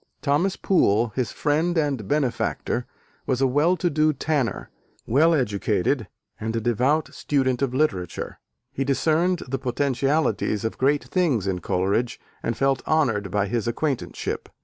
Thomas Poole, his friend and benefactor, was a well to do tanner, well educated and a devout student of literature: he discerned the potentialities of great things in Coleridge, and felt honoured by his acquaintanceship.